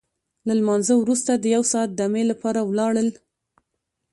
له لمانځه وروسته د یو ساعت دمې لپاره ولاړل.